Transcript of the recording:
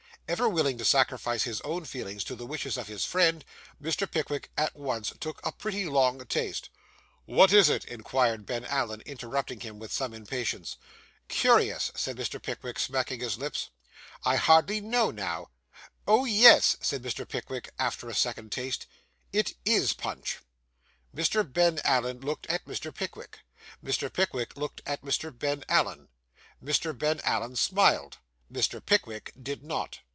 Ever willing to sacrifice his own feelings to the wishes of his friend, Mr. Pickwick at once took a pretty long taste. 'What is it?' inquired Ben Allen, interrupting him with some impatience. 'Curious,' said Mr. Pickwick, smacking his lips, 'I hardly know, now. Oh, yes!' said Mr. Pickwick, after a second taste. 'It is punch.' Mr. Ben Allen looked at Mr. Pickwick; Mr. Pickwick looked at Mr. Ben Allen; Mr. Ben Allen smiled; Mr. Pickwick did not.